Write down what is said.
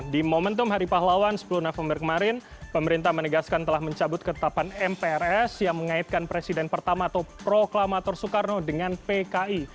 di momentum hari pahlawan sepuluh november kemarin pemerintah menegaskan telah mencabut ketetapan mprs yang mengaitkan presiden pertama atau proklamator soekarno dengan pki